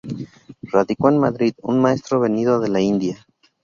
Radicó en Madrid un maestro venido de la India.